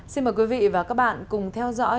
xin mời quý vị và các bạn cùng theo dõi